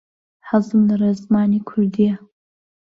حەزم لە ڕێزمانی کوردییە.